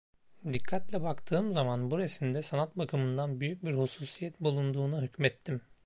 Dikkatle baktığım zaman bu resimde sanat bakımından büyük bir hususiyet bulunduğuna hükmettim.